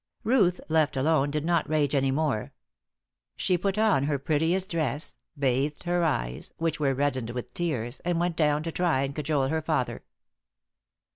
Ruth, left alone, did not rage any more. She put on her prettiest dress, bathed her eyes, which were reddened with tears, and went down to try and cajole her father.